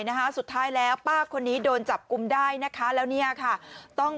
นะคะสุดท้ายแล้วป้าคนนี้โดนจับกุมได้นะคะแล้วเนี่ยค่ะต้อง